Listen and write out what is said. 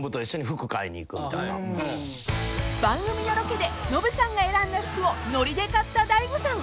［番組のロケでノブさんが選んだ服をノリで買った大悟さん］